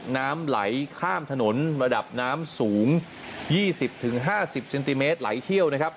น้ำไหลข้ามถนนระดับน้ำสูง๒๐๕๐เซนติเมตรไหลเชี่ยวนะครับ